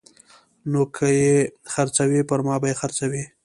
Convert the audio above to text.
نو که یې خرڅوي پرما به یې خرڅوي